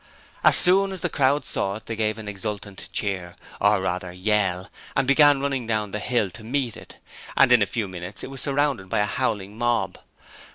As soon as the crowd saw it, they gave an exultant cheer, or, rather, yell, and began running down the hill to meet it, and in a few minutes it was surrounded by a howling mob.